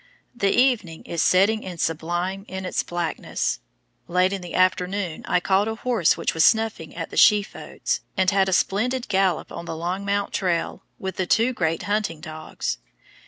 The evening is setting in sublime in its blackness. Late in the afternoon I caught a horse which was snuffing at the sheaf oats, and had a splendid gallop on the Longmount trail with the two great hunting dogs.